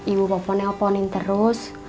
ibu poponnya ponin terus